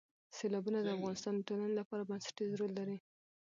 سیلابونه د افغانستان د ټولنې لپاره بنسټيز رول لري.